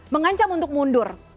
mengancam untuk mundur